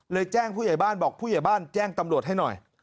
แจ้งผู้ใหญ่บ้านบอกผู้ใหญ่บ้านแจ้งตำรวจให้หน่อย